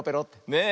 ねえ。